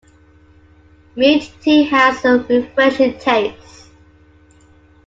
Mint tea has a refreshing taste.